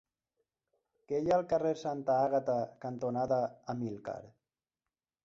Què hi ha al carrer Santa Àgata cantonada Amílcar?